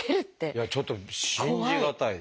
いやちょっと信じ難い。